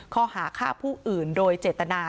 ข้อหาฆ่าผู้อื่นโดยเจตนา